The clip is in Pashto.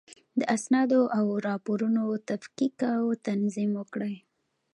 د اسنادو او راپورونو تفکیک او تنظیم وکړئ.